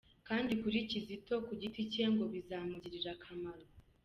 Kandi kuri Kizito ku giti cye ngo bizamugirira akamaro.